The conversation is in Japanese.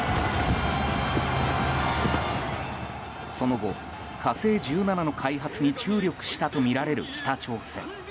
その後、「火星１７」の開発に注力したとみられる北朝鮮。